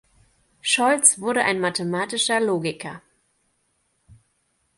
Scholz wurde ein mathematischer Logiker.